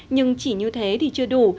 nhưng chỉ như thế thì chưa đủ